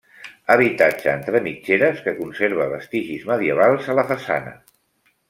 Habitatge entre mitgeres que conserva vestigis medievals a la façana.